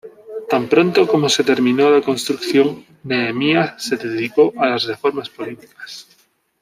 Tan pronto como se terminó la construcción, Nehemías se dedicó a las reformas políticas.